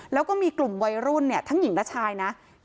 แล้วก็มีกลุ่มวัยรุ่นทั้งหญิงและชายนะ